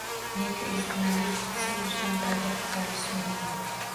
Yana ezmalik qilsa, yuzdan parda ko‘tarilishi mumkin